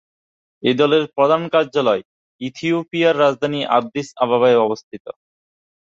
এই দলের প্রধান কার্যালয় ইথিওপিয়ার রাজধানী আদ্দিস আবাবায় অবস্থিত।